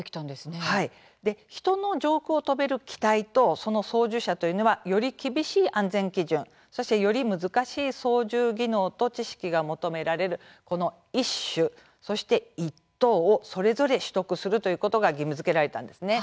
人の上空を飛べる機体とその操縦者というのはより厳しい安全基準そして、より難しい操縦技能と知識が求められるこの一種、そして一等をそれぞれ取得するということが義務づけられたんですね。